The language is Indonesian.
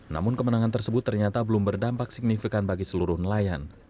namun kemenangan tersebut ternyata belum berdampak signifikan bagi seluruh nelayan